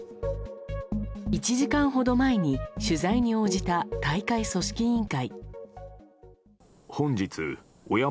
１時間ほど前に取材に応じた大会組織委員会。